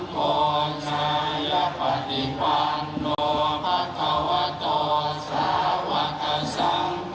โจ่นสะยะพะทิพัทอนุมะเขาโอตสาะวะขาสัง